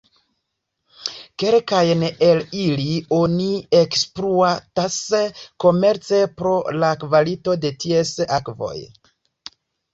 Kelkajn el ili oni ekspluatas komerce pro la kvalito de ties akvoj.